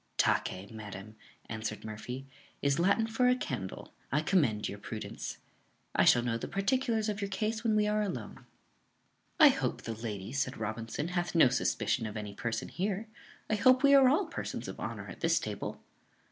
"Tace, madam," answered Murphy, "is Latin for a candle: I commend your prudence. I shall know the particulars of your case when we are alone." "I hope the lady," said Robinson, "hath no suspicion of any person here. I hope we are all persons of honour at this table."